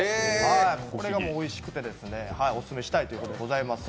これがおいしくて、おすすめしたいということでございます。